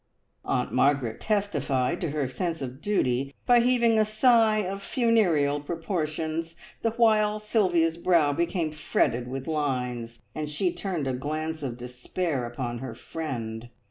Aunt Margaret testified to her sense of duty by heaving a sigh of funereal proportions, the while Sylvia's brow became fretted with lines, and she turned a glance of despair upon her friend.